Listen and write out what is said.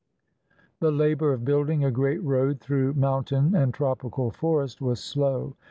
The labor of building a great road through mountain and tropical forest was slow.